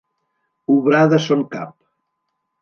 Obrar de son cap.